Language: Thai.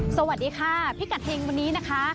สวัสดีค่ะพิกัดเฮงวันนี้นะคะ